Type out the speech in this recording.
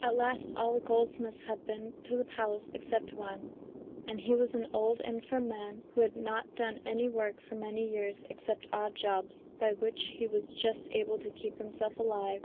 At last all the goldsmiths had been to the palace except one, and he was an old, infirm man who had not done any work for many years except odd jobs, by which he was just able to keep himself alive.